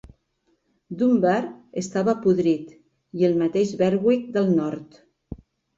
Dunbar estava podrit i el mateix Berwick del Nord.